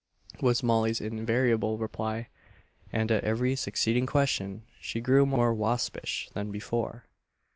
was Molly's invariable reply; and at every succeeding question she grew more waspish than before.